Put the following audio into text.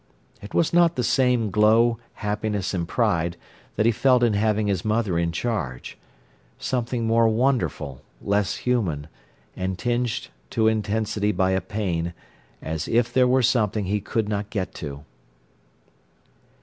It was not the same glow, happiness, and pride, that he felt in having his mother in charge: something more wonderful, less human, and tinged to intensity by a pain, as if there were something he could not get to.